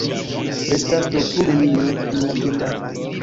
Restas do plu neniu en la tendaro!